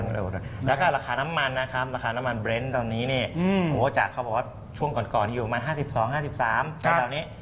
แล้วก็ราคาน้ำมันนะครับราคาน้ำมันเบรนด์ตอนนี้เนี่ยโอ้จากเขาบอกว่าช่วงก่อนอยู่ประมาณ๕๒๕๓อะไรแบบนี้